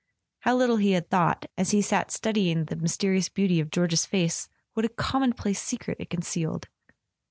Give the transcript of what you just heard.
.. How little he had thought, as he sat studying the mysterious [ 301 ] A SON AT THE FRONT beauty of George's face, what a commonplace secret it concealed!